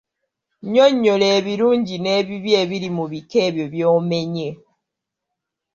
Nnyonnyola ebirungi n'ebibi ebiri mu bika ebyo by'omenye.